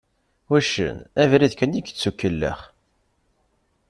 Uccen, abrid kan i yettukellex.